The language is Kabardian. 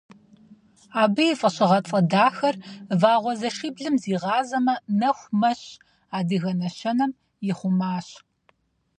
Абы и фӀэщыгъэцӀэ дахэр «Вагъуэзэшиблым зигъазэмэ, нэху мэщ» адыгэ нэщэнэм ихъумащ.